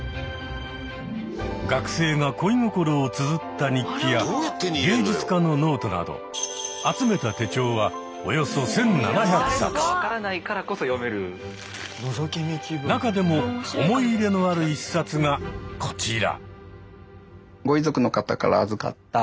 学生が恋心をつづった日記や芸術家のノートなど集めた手帳はおよそ中でも思い入れのある１冊がこちら。